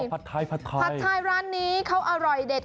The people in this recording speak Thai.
ไทยผัดไทยผัดไทยร้านนี้เขาอร่อยเด็ด